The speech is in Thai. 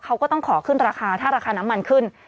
เขาก็ต้องขอขึ้นราคาถ้าราคาน้ำมันขึ้น